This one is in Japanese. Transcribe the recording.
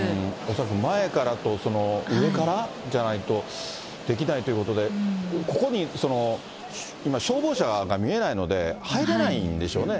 恐らく、前からと上からじゃないとできないということで、ここにその、今、消防車が見えないので、入れないんでしょうね。